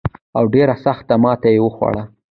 او ډېره سخته ماته یې وخوړه.